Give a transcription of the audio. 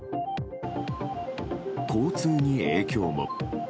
交通に影響も。